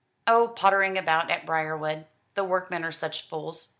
"Oh, pottering about at Briarwood. The workmen are such fools.